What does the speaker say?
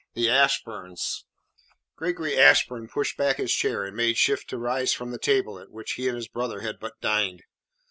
THE ASHBURNS Gregory Ashburn pushed back his chair and made shift to rise from the table at which he and his brother had but dined.